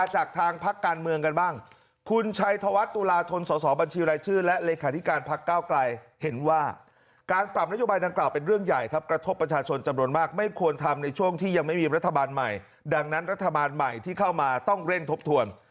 เห็นว่าการปรับนโยบายดังกล่าวเป็นเรื่องใหญ่ครับกระทบประชาชนจำนวนมากไม่ควรทำในช่วงที่ยังไม่มีรัฐบาลใหม่ดังนั้นรัฐบาลใหม่ที่เข้ามาต้องเร่งทบทวน